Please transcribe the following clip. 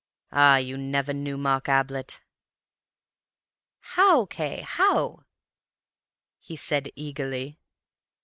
Ah, you never knew Mark Ablett. "'How, Cay, how?' he said eagerly.